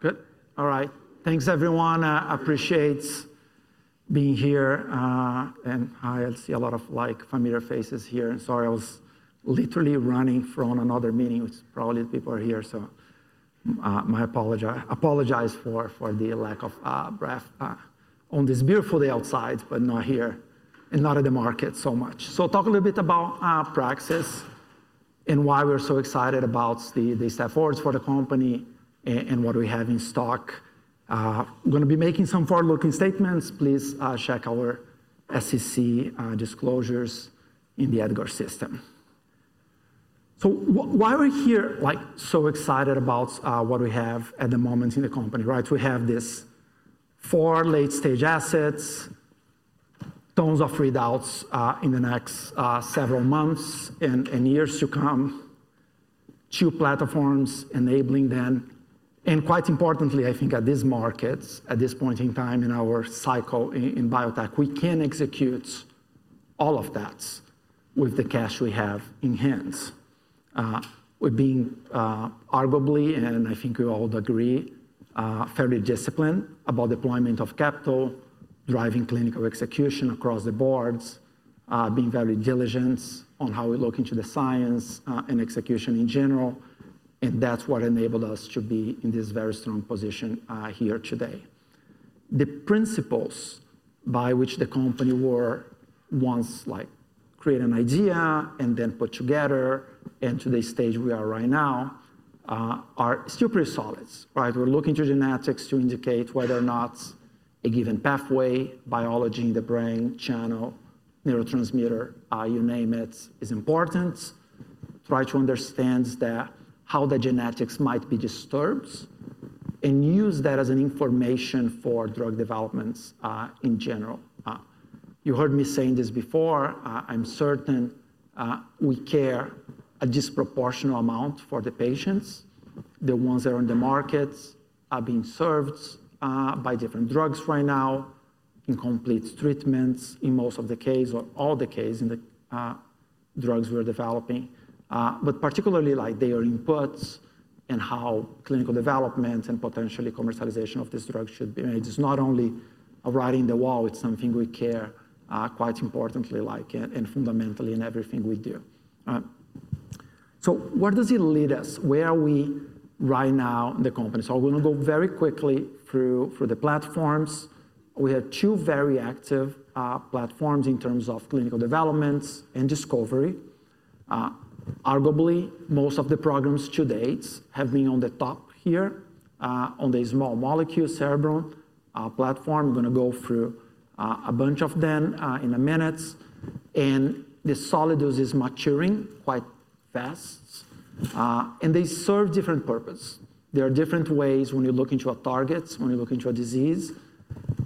Good. All right. Thanks, everyone. I appreciate being here. I see a lot of familiar faces here. Sorry, I was literally running from another meeting, which probably people are here. My apologies for the lack of breath on this beautiful day outside, but not here and not at the market so much. Talk a little bit about Praxis and why we're so excited about the step forwards for the company and what we have in stock. We're going to be making some forward-looking statements. Please check our SEC disclosures in the EDGAR system. Why are we here so excited about what we have at the moment in the company? We have these four late-stage assets, tons of readouts in the next several months and years to come, two platforms enabling them. Quite importantly, I think at these markets, at this point in time in our cycle in biotech, we can execute all of that with the cash we have in hand. We're being arguably, and I think we all agree, fairly disciplined about deployment of capital, driving clinical execution across the board, being very diligent on how we look into the science and execution in general. That is what enabled us to be in this very strong position here today. The principles by which the company was once created as an idea and then put together, and to the stage we are right now, are still pretty solid. We're looking through genetics to indicate whether or not a given pathway, biology in the brain, channel, neurotransmitter, you name it, is important. We try to understand how the genetics might be disturbed and use that as information for drug development in general. You heard me saying this before. I'm certain we care a disproportional amount for the patients. The ones that are on the market are being served by different drugs right now, incomplete treatments in most of the case, or all the cases in the drugs we're developing. Particularly their inputs and how clinical development and potentially commercialization of this drug should be. It's not only writing the wall. It's something we care quite importantly and fundamentally in everything we do. Where does it lead us? Where are we right now in the company? I'm going to go very quickly through the platforms. We have two very active platforms in terms of clinical developments and discovery. Arguably, most of the programs to date have been on the top here on the small molecule Cerebrum platform. I'm going to go through a bunch of them in a minute. The Solidus is maturing quite fast. They serve different purposes. There are different ways when you look into a target, when you look into a disease,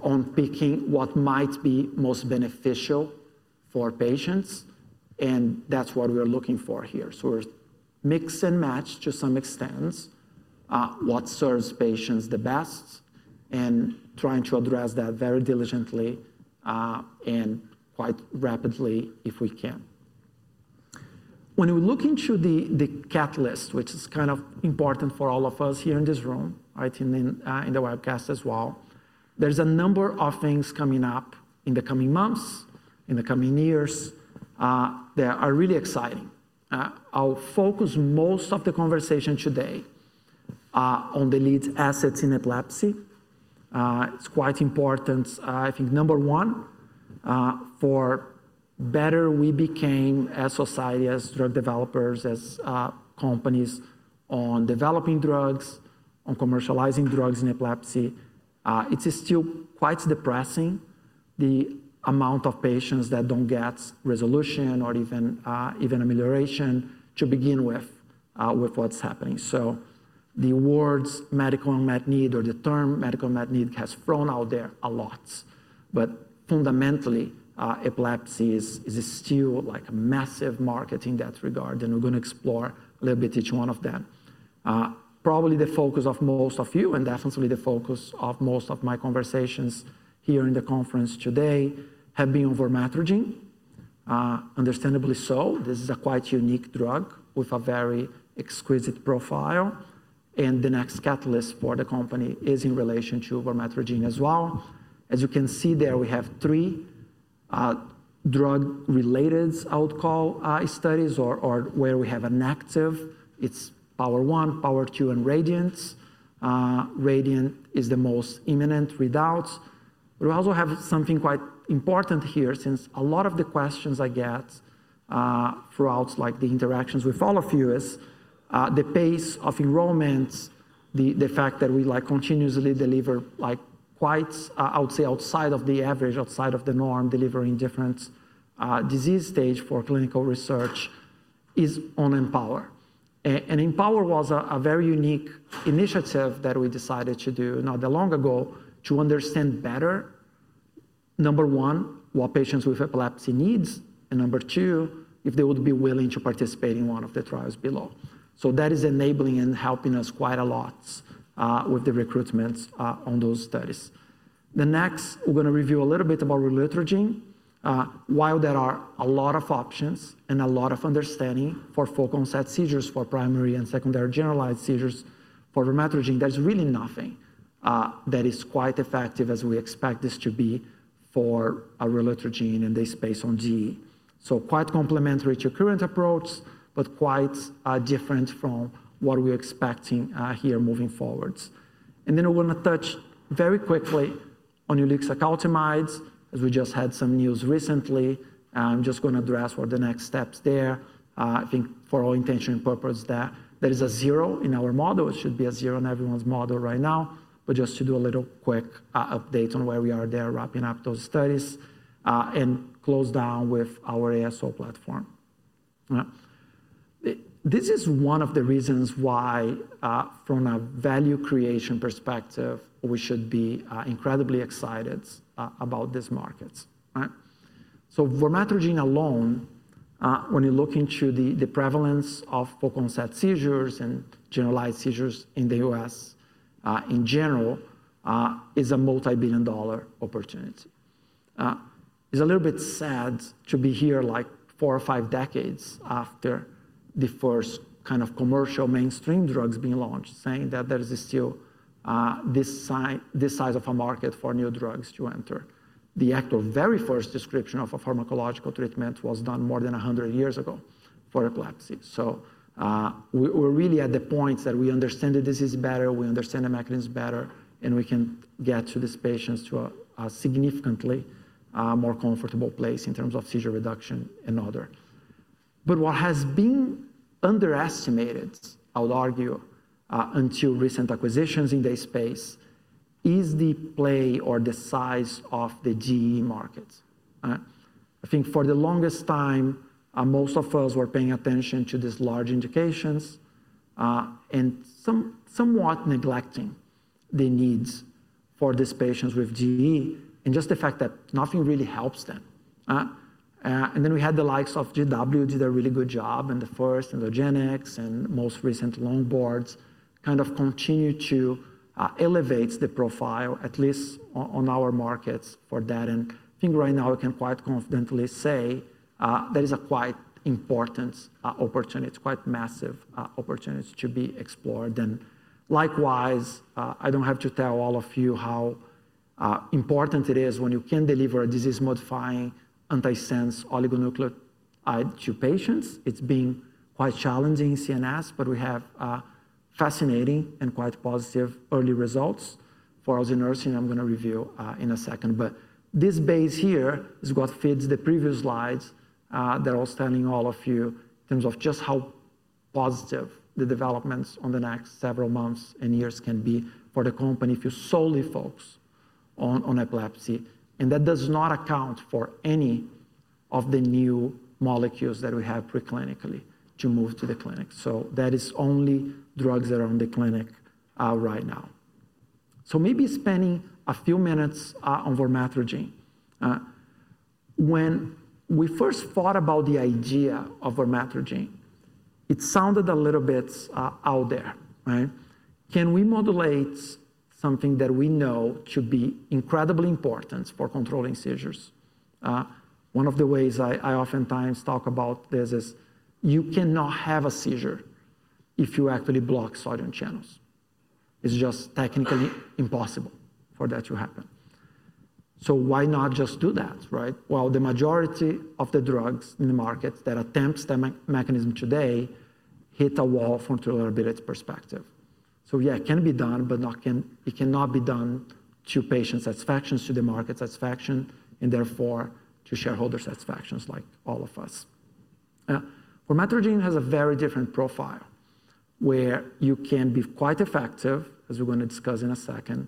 on picking what might be most beneficial for patients. That is what we're looking for here. We mix and match to some extent what serves patients the best and try to address that very diligently and quite rapidly if we can. When we look into the catalyst, which is kind of important for all of us here in this room, in the webcast as well, there are a number of things coming up in the coming months, in the coming years that are really exciting. I'll focus most of the conversation today on the lead assets in epilepsy. It's quite important, I think, number one, for better we became as a society, as drug developers, as companies on developing drugs, on commercializing drugs in epilepsy. It's still quite depressing the amount of patients that don't get resolution or even amelioration to begin with what's happening. The words medical unmet need or the term medical unmet need has thrown out there a lot. Fundamentally, epilepsy is still a massive market in that regard. We're going to explore a little bit each one of them. Probably the focus of most of you, and definitely the focus of most of my conversations here in the conference today, have been over Vormatrigine. Understandably so. This is a quite unique drug with a very exquisite profile. The next catalyst for the company is in relation to Vormatrigine as well. As you can see there, we have three drug-related outcome studies where we have an active. It's POWER1, POWER2, and RADIANT. RADIANT is the most imminent readouts. We also have something quite important here since a lot of the questions I get throughout the interactions with all of you is the pace of enrollments, the fact that we continuously deliver quite, I would say, outside of the average, outside of the norm, delivering different disease stages for clinical research is on EMPOWER. EMPOWER was a very unique initiative that we decided to do not that long ago to understand better, number one, what patients with epilepsy need, and number two, if they would be willing to participate in one of the trials below. That is enabling and helping us quite a lot with the recruitments on those studies. Next, we're going to review a little bit about Relutrigine. While there are a lot of options and a lot of understanding for focal onset seizures, for primary and secondary generalized seizures, for Relutrigine, there's really nothing that is quite as effective as we expect this to be for Relutrigine in this space on GE. Quite complementary to current approaches, but quite different from what we're expecting here moving forwards. We're going to touch very quickly on Ulixacaltamide. As we just had some news recently, I'm just going to address what the next steps are there. I think for all intention and purpose, there is a zero in our model. It should be a zero in everyone's model right now. Just to do a little quick update on where we are there, wrapping up those studies and close down with our ASO platform. This is one of the reasons why from a value creation perspective, we should be incredibly excited about these markets. For Vormatrigine alone, when you look into the prevalence of focal onset seizures and generalized seizures in the U.S. in general, it is a multi-billion dollar opportunity. It is a little bit sad to be here four or five decades after the first kind of commercial mainstream drugs being launched, saying that there is still this size of a market for new drugs to enter. The actual very first description of a pharmacological treatment was done more than 100 years ago for epilepsy. We are really at the point that we understand the disease better, we understand the mechanism better, and we can get to these patients to a significantly more comfortable place in terms of seizure reduction and other. What has been underestimated, I would argue, until recent acquisitions in this space is the play or the size of the GE market. I think for the longest time, most of us were paying attention to these large indications and somewhat neglecting the needs for these patients with GE and just the fact that nothing really helps them. We had the likes of GW did a really good job in the first Zogenix and most recent Longboard kind of continue to elevate the profile, at least on our markets for that. I think right now we can quite confidently say there is a quite important opportunity, quite massive opportunity to be explored. Likewise, I don't have to tell all of you how important it is when you can deliver a disease-modifying antisense oligonucleotide to patients. It's been quite challenging in CNS, but we have fascinating and quite positive early results for Elsunersen. I'm going to review in a second. This base here is what feeds the previous slides that I was telling all of you in terms of just how positive the developments on the next several months and years can be for the company if you solely focus on epilepsy. That does not account for any of the new molecules that we have preclinically to move to the clinic. That is only drugs that are on the clinic right now. Maybe spending a few minutes on Vormatrigine. When we first thought about the idea of Vormatrigine, it sounded a little bit out there. Can we modulate something that we know to be incredibly important for controlling seizures? One of the ways I oftentimes talk about this is you cannot have a seizure if you actually block sodium channels. It's just technically impossible for that to happen. Why not just do that? The majority of the drugs in the market that attempt that mechanism today hit a wall from a reliability perspective. Yeah, it can be done, but it cannot be done to patient satisfaction, to the market satisfaction, and therefore to shareholder satisfactions like all of us. Vormatrigine has a very different profile where you can be quite effective, as we're going to discuss in a second,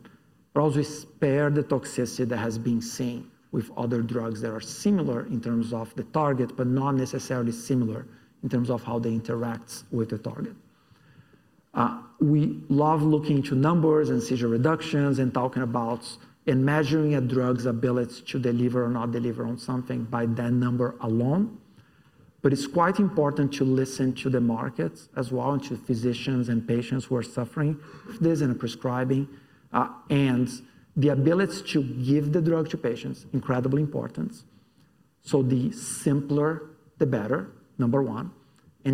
but also spare the toxicity that has been seen with other drugs that are similar in terms of the target, but not necessarily similar in terms of how they interact with the target. We love looking into numbers and seizure reductions and talking about and measuring a drug's ability to deliver or not deliver on something by that number alone. It is quite important to listen to the markets as well and to physicians and patients who are suffering this and prescribing. The ability to give the drug to patients is incredibly important. The simpler, the better, number one.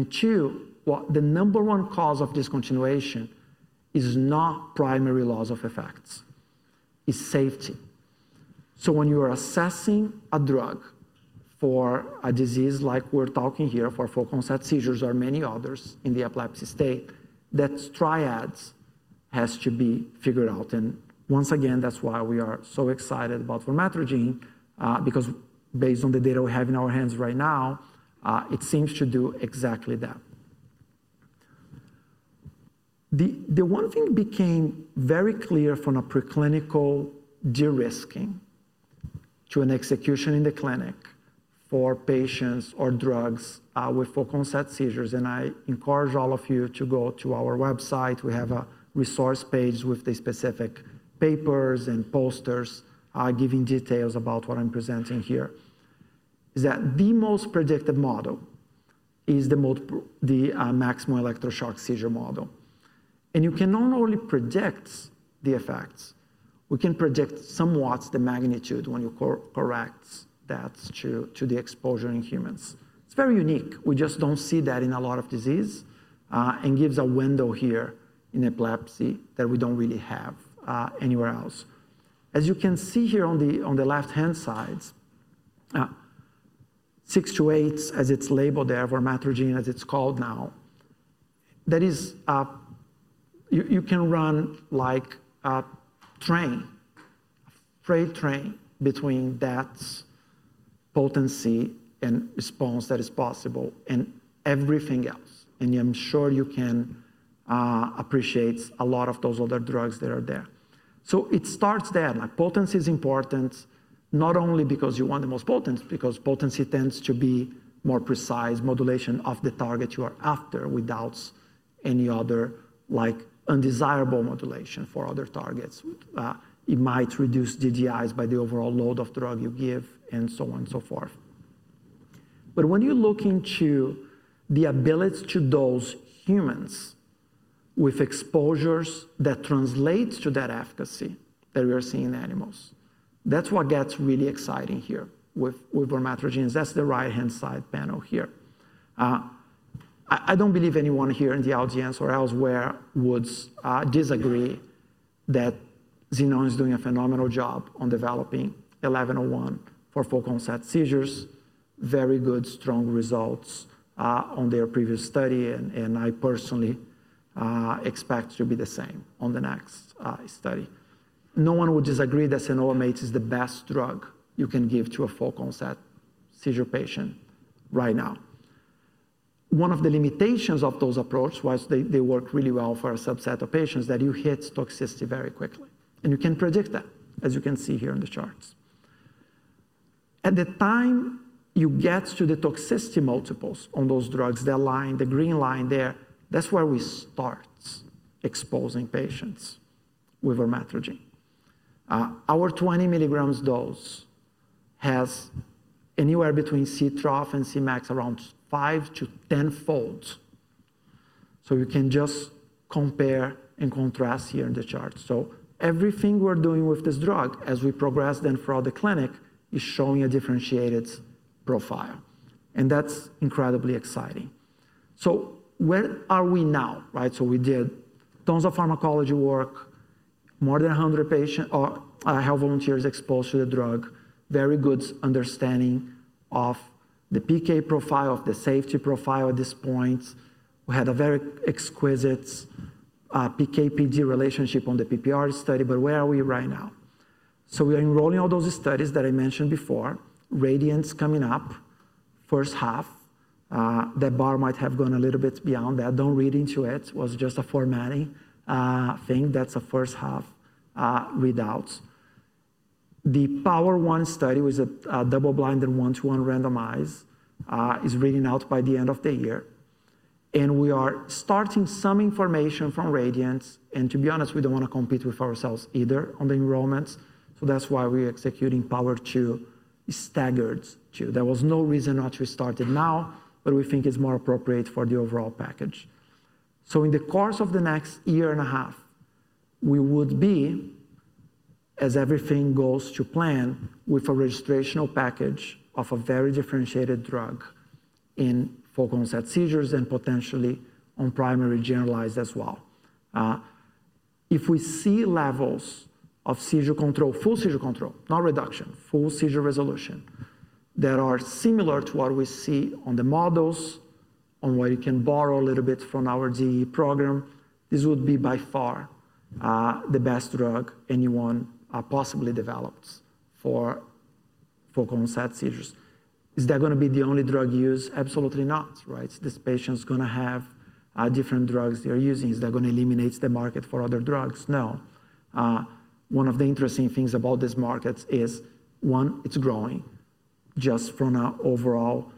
Two, the number one cause of discontinuation is not primary loss of effects. It is safety. When you are assessing a drug for a disease like we are talking here for focal onset seizures or many others in the epilepsy state, that triad has to be figured out. Once again, that is why we are so excited about Vormatrigine, because based on the data we have in our hands right now, it seems to do exactly that. The one thing became very clear from a preclinical de-risking to an execution in the clinic for patients or drugs with focal onset seizures. I encourage all of you to go to our website. We have a resource page with the specific papers and posters giving details about what I'm presenting here. The most predictive model is the maximum electroshock seizure model. You can not only predict the effects. We can predict somewhat the magnitude when you correct that to the exposure in humans. It's very unique. We just don't see that in a lot of diseases and gives a window here in epilepsy that we don't really have anywhere else. As you can see here on the left-hand side, 6-8, as it's labeled there, Vormatrigine as it's called now, that is you can run like a train, a freight train between that potency and response that is possible and everything else. I'm sure you can appreciate a lot of those other drugs that are there. It starts there. Potency is important not only because you want the most potency, because potency tends to be more precise modulation of the target you are after without any other undesirable modulation for other targets. It might reduce DDIs by the overall load of drug you give and so on and so forth. When you look into the ability to dose humans with exposures that translate to that efficacy that we are seeing in animals, that's what gets really exciting here with Vormatrigine. That's the right-hand side panel here. I don't believe anyone here in the audience or elsewhere would disagree that Cenobamate is doing a phenomenal job on developing 1101 for focal onset seizures. Very good, strong results on their previous study. I personally expect to be the same on the next study. No one would disagree that Cenobamate is the best drug you can give to a focal onset seizure patient right now. One of the limitations of those approaches was they work really well for a subset of patients but you hit toxicity very quickly. You can predict that, as you can see here in the charts. At the time you get to the toxicity multiples on those drugs, the line, the green line there, that's where we start exposing patients with Vormatrigine. Our 20 mg dose has anywhere between C trough and C max around five- to tenfold. You can just compare and contrast here in the chart. Everything we're doing with this drug as we progress then for the clinic is showing a differentiated profile. That's incredibly exciting. Where are we now? We did tons of pharmacology work, more than 100 healthy volunteers exposed to the drug, very good understanding of the PK profile, of the safety profile at this point. We had a very exquisite PK-PD relationship on the PPR study. Where are we right now? We are enrolling all those studies that I mentioned before, RADIANT coming up first half. That bar might have gone a little bit beyond that. Don't read into it. It was just a formatting thing. That's a first half readouts. The POWER1 study was a double-blind and one-to-one randomized is reading out by the end of the year. We are starting some information from RADIANT. To be honest, we don't want to compete with ourselves either on the enrollments. That's why we're executing POWER2 staggered too. There was no reason not to start it now, but we think it's more appropriate for the overall package. In the course of the next year and a half, we would be, as everything goes to plan, with a registrational package of a very differentiated drug in focal onset seizures and potentially on primary generalized as well. If we see levels of seizure control, full seizure control, not reduction, full seizure resolution that are similar to what we see on the models, on what you can borrow a little bit from our GE program, this would be by far the best drug anyone possibly developed for focal onset seizures. Is that going to be the only drug used? Absolutely not. This patient's going to have different drugs they're using. Is that going to eliminate the market for other drugs? No. One of the interesting things about this market is, one, it's growing just from an overall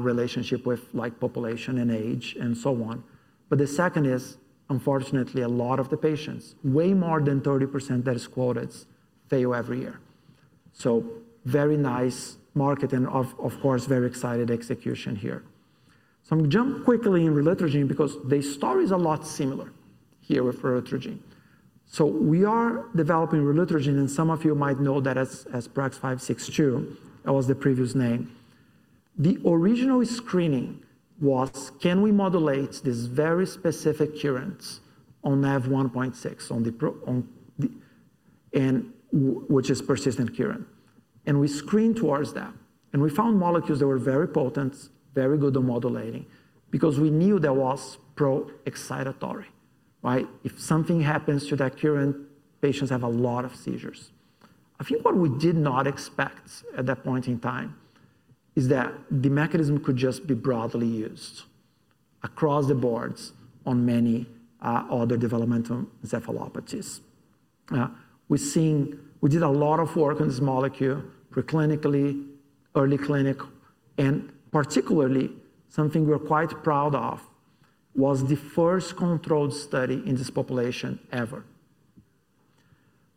relationship with population and age and so on. The second is, unfortunately, a lot of the patients, way more than 30% that is quoted, fail every year. Very nice market and, of course, very excited execution here. I'm going to jump quickly into Relutrigine because the story is a lot similar here with Relutrigine. We are developing Relutrigine, and some of you might know that as PRAX-562, that was the previous name. The original screening was, can we modulate this very specific current on Nav1.6, which is persistent current? We screened towards that. We found molecules that were very potent, very good at modulating because we knew that was pro-excitatory. If something happens to that current, patients have a lot of seizures. I think what we did not expect at that point in time is that the mechanism could just be broadly used across the boards on many other developmental encephalopathies. We did a lot of work on this molecule preclinically, early clinic, and particularly something we're quite proud of was the first controlled study in this population ever.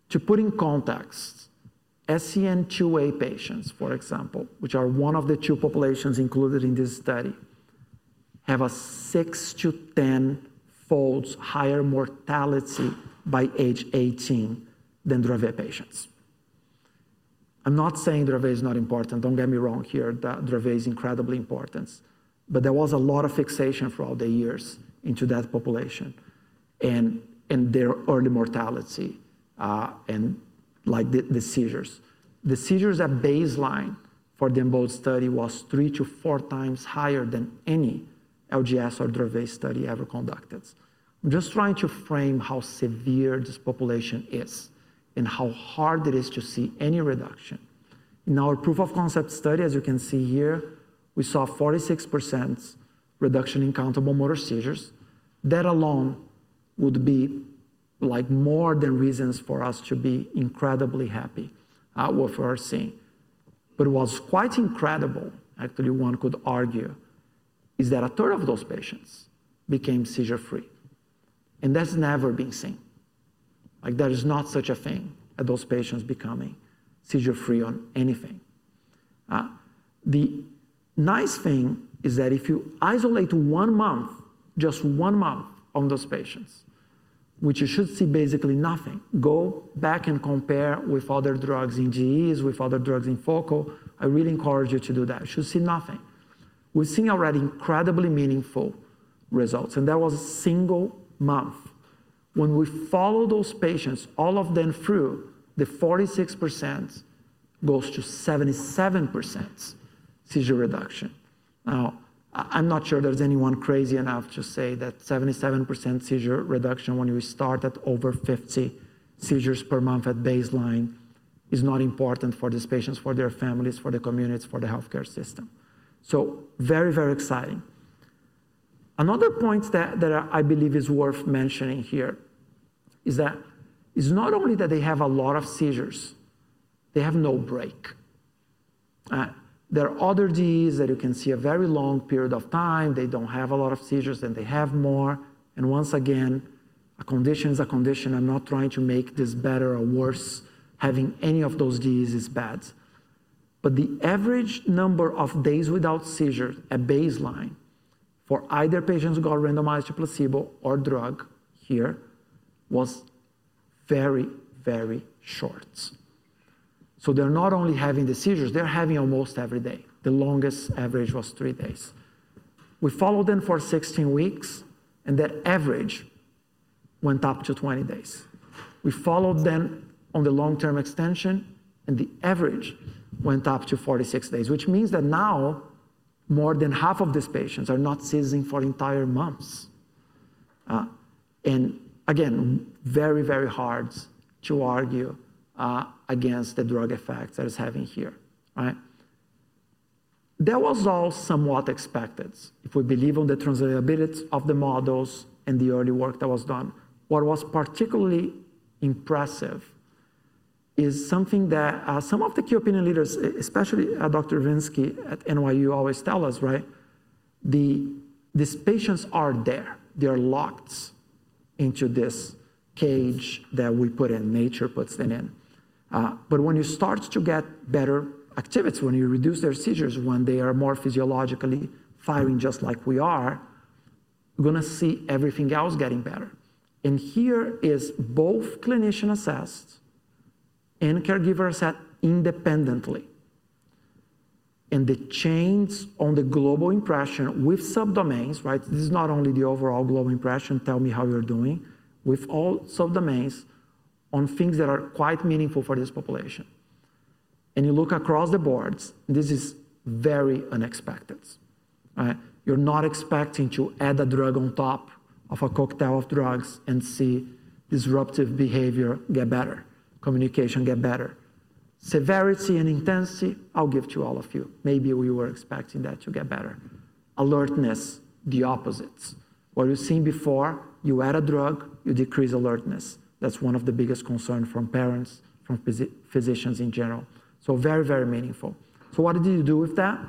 To put in context, SCN2A patients, for example, which are one of the two populations included in this study, have a 6-10-fold higher mortality by age 18 than Dravet patients. I'm not saying Dravet is not important. Don't get me wrong here. Dravet is incredibly important. There was a lot of fixation throughout the years into that population and their early mortality and the seizures. The seizures, at baseline for the EMBOLD study, were three to four times higher than any LGS or Dravet study ever conducted. I'm just trying to frame how severe this population is and how hard it is to see any reduction. In our proof of concept study, as you can see here, we saw 46% reduction in countable motor seizures. That alone would be more than reasons for us to be incredibly happy with what we're seeing. What's quite incredible, actually, one could argue, is that a third of those patients became seizure-free. That's never been seen. There is not such a thing as those patients becoming seizure-free on anything. The nice thing is that if you isolate one month, just one month on those patients, which you should see basically nothing, go back and compare with other drugs in GEs, with other drugs in focal, I really encourage you to do that. You should see nothing. We've seen already incredibly meaningful results. That was a single month. When we follow those patients, all of them through, the 46% goes to 77% seizure reduction. I'm not sure there's anyone crazy enough to say that 77% seizure reduction when you start at over 50 seizures per month at baseline is not important for these patients, for their families, for the communities, for the healthcare system. Very, very exciting. Another point that I believe is worth mentioning here is that it's not only that they have a lot of seizures, they have no break. There are other GEs that you can see a very long period of time. They don't have a lot of seizures, then they have more. Once again, a condition is a condition. I'm not trying to make this better or worse. Having any of those GEs is bad. The average number of days without seizures at baseline for either patients who got randomized to placebo or drug here was very, very short. They are not only having the seizures, they are having them almost every day. The longest average was three days. We followed them for 16 weeks, and the average went up to 20 days. We followed them on the long-term extension, and the average went up to 46 days, which means that now more than half of these patients are not seizing for entire months. It is very, very hard to argue against the drug effect that is happening here. That was all somewhat expected if we believe in the translatability of the models and the early work that was done. What was particularly impressive is something that some of the key opinion leaders, especially Dr. Devinsky at NYU, always tell us. These patients are there. They are locked into this cage that we put in, nature puts them in. When you start to get better activities, when you reduce their seizures, when they are more physiologically firing just like we are, you are going to see everything else getting better. Here it is both clinician-assessed and caregiver-assessed independently. The change on the global impression with subdomains, this is not only the overall global impression, tell me how you are doing, with all subdomains on things that are quite meaningful for this population. You look across the boards, this is very unexpected. You're not expecting to add a drug on top of a cocktail of drugs and see disruptive behavior get better, communication get better. Severity and intensity, I'll give to all of you. Maybe we were expecting that to get better. Alertness, the opposite. What we've seen before, you add a drug, you decrease alertness. That's one of the biggest concerns from parents, from physicians in general. Very, very meaningful. What did you do with that?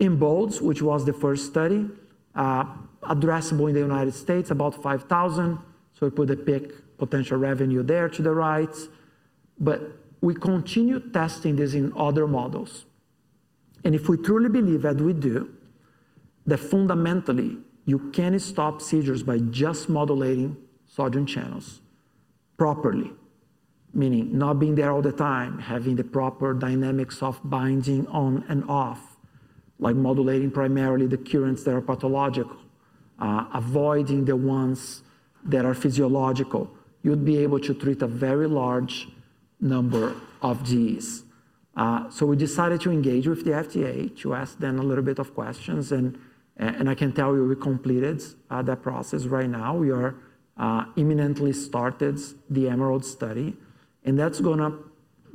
EMBOLD, which was the first study, addressable in the United States, about 5,000. We put a pick potential revenue there to the right. We continue testing this in other models. If we truly believe that we do, that fundamentally you can stop seizures by just modulating sodium channels properly, meaning not being there all the time, having the proper dynamics of binding on and off, like modulating primarily the currents that are pathological, avoiding the ones that are physiological, you'd be able to treat a very large number of GEs. We decided to engage with the FDA to ask them a little bit of questions. I can tell you we completed that process right now. We are imminently started the EMERALD study. That's going to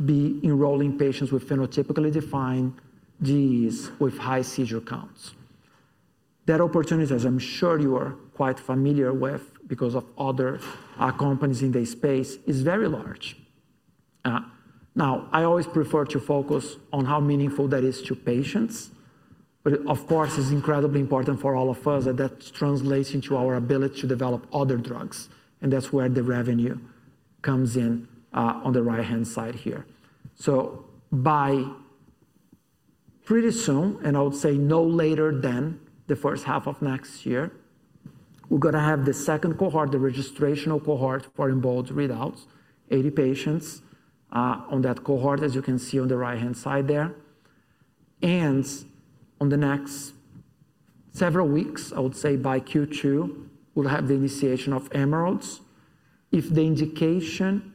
be enrolling patients with phenotypically defined GEs with high seizure counts. That opportunity, as I'm sure you are quite familiar with because of other companies in the space, is very large. I always prefer to focus on how meaningful that is to patients. Of course, it's incredibly important for all of us that that translates into our ability to develop other drugs. That's where the revenue comes in on the right-hand side here. By pretty soon, and I would say no later than the first half of next year, we're going to have the second cohort, the registrational cohort for EMBOLD readouts, 80 patients on that cohort, as you can see on the right-hand side there. In the next several weeks, I would say by Q2, we'll have the initiation of EMERALD. If the indication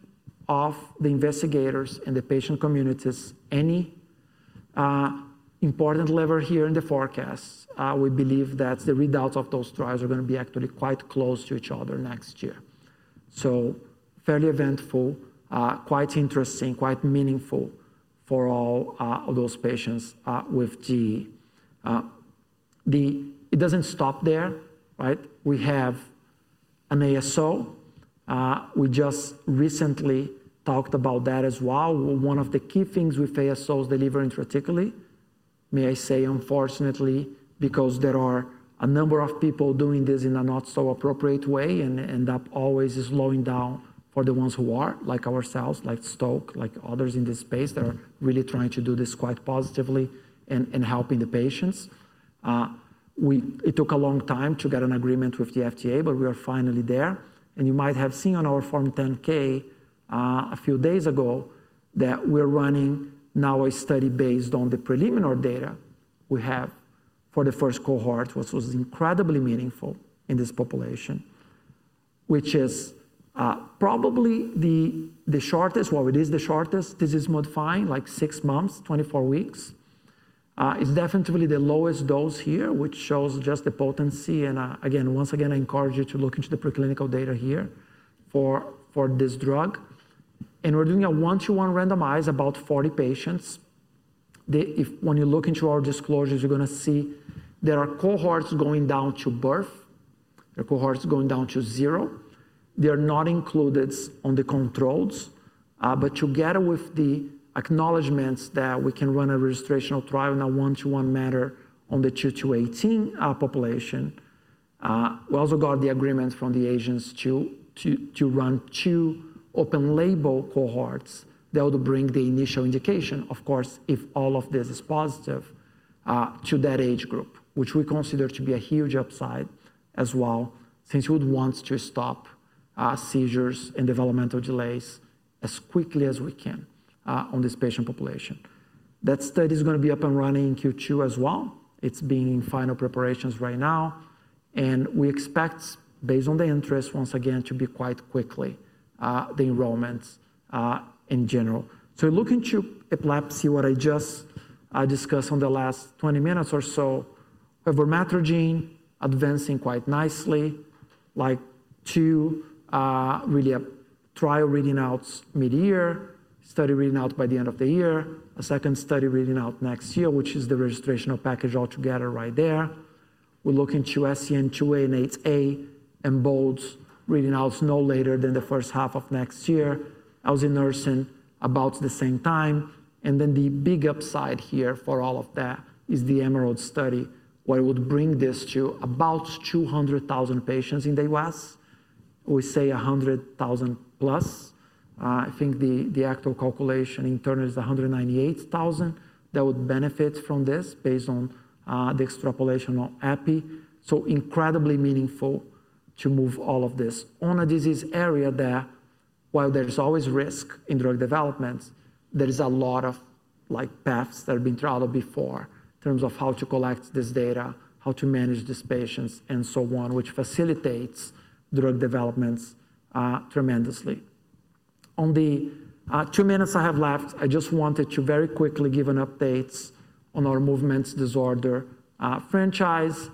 of the investigators and the patient community is any important lever here in the forecast, we believe that the readouts of those trials are going to be actually quite close to each other next year. Fairly eventful, quite interesting, quite meaningful for all of those patients with GE. It doesn't stop there. We have an ASO. We just recently talked about that as well. One of the key things with ASO's deliverance, particularly, may I say, unfortunately, because there are a number of people doing this in a not so appropriate way and end up always slowing down for the ones who are, like ourselves, like Stoke, like others in this space that are really trying to do this quite positively and helping the patients. It took a long time to get an agreement with the FDA, but we are finally there. You might have seen on our Form 10-K a few days ago that we're running now a study based on the preliminary data we have for the first cohort, which was incredibly meaningful in this population, which is probably the shortest, well, it is the shortest disease-modifying, like six months, 24 weeks. It's definitely the lowest dose here, which shows just the potency. Once again, I encourage you to look into the preclinical data here for this drug. We're doing a one-to-one randomized about 40 patients. When you look into our disclosures, you're going to see there are cohorts going down to birth. There are cohorts going down to zero. They are not included on the controls. Together with the acknowledgments that we can run a registrational trial in a one-to-one manner on the 2 to 18 population, we also got the agreement from the agents to run two open-label cohorts that will bring the initial indication, of course, if all of this is positive, to that age group, which we consider to be a huge upside as well, since we would want to stop seizures and developmental delays as quickly as we can on this patient population. That study is going to be up and running in Q2 as well. It's being in final preparations right now. We expect, based on the interest, once again, to be quite quickly the enrollments in general. Looking to epilepsy, what I just discussed in the last 20 minutes or so, Vormatrigine advancing quite nicely, like two really trial reading outs mid-year, study reading out by the end of the year, a second study reading out next year, which is the registrational package altogether right there. We're looking to SCN2A and 8A and EMBOLD reading outs no later than the first half of next year. Elsunersen about the same time. The big upside here for all of that is the EMERALD study, what it would bring this to about 200,000 patients in the U.S.. We say 100,000+. I think the actual calculation in turn is 198,000 that would benefit from this based on the extrapolation on Epi. Incredibly meaningful to move all of this on a disease area that, while there's always risk in drug development, there's a lot of paths that have been tried out before in terms of how to collect this data, how to manage these patients, and so on, which facilitates drug developments tremendously. On the two minutes I have left, I just wanted to very quickly give an update on our movement disorder franchise.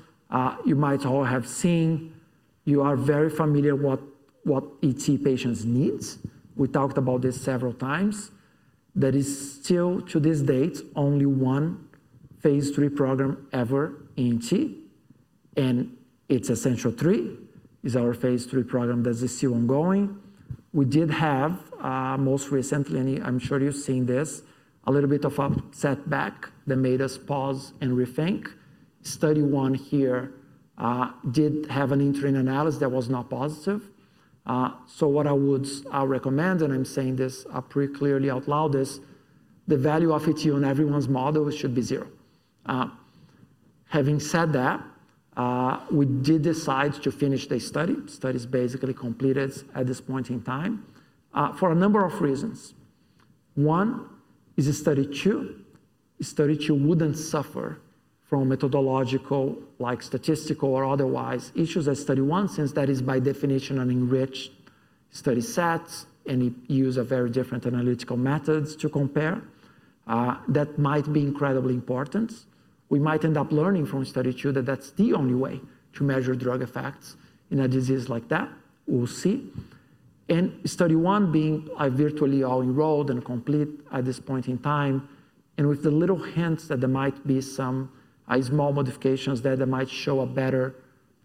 You might all have seen you are very familiar with what ET patients need. We talked about this several times. There is still, to this date, only one Phase III program ever in ET. Essential3 is our Phase III program that is still ongoing. We did have most recently, and I'm sure you've seen this, a little bit of a setback that made us pause and rethink. Study one here did have an interim analysis that was not positive. What I would recommend, and I'm saying this pretty clearly out loud, is the value of ET on everyone's model should be zero. Having said that, we did decide to finish the study. The study is basically completed at this point in time for a number of reasons. One is study two. Study two wouldn't suffer from methodological, like statistical or otherwise issues as study one, since that is by definition an enriched study set, and it uses very different analytical methods to compare. That might be incredibly important. We might end up learning from study two that that's the only way to measure drug effects in a disease like that. We'll see. Study one being virtually all enrolled and complete at this point in time. With the little hints that there might be some small modifications that might show a better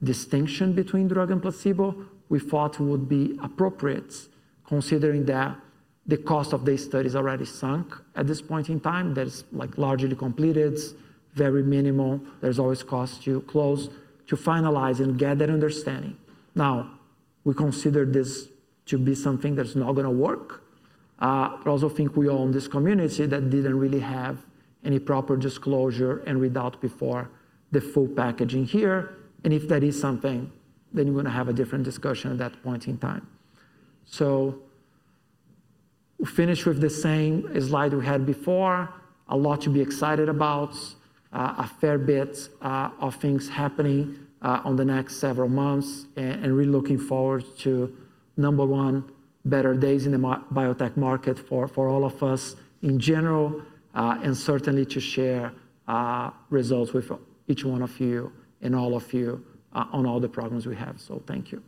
distinction between drug and placebo, we thought it would be appropriate, considering that the cost of these studies already sunk at this point in time. That is largely completed, very minimal. There is always cost to close to finalize and get that understanding. Now, we consider this to be something that is not going to work. I also think we all in this community did not really have any proper disclosure and readout before the full packaging here. If that is something, then you are going to have a different discussion at that point in time. We finished with the same slide we had before. A lot to be excited about, a fair bit of things happening on the next several months, and really looking forward to, number one, better days in the biotech market for all of us in general, and certainly to share results with each one of you and all of you on all the problems we have. Thank you.